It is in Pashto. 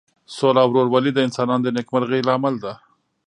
سوله او ورورولي د انسانانو د نیکمرغۍ لامل ده.